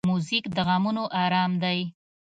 موزیک د غمونو آرام دی.